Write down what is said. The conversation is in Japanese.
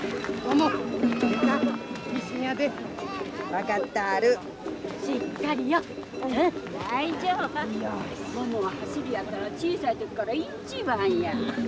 ももは走りやったら小さい時から１番や。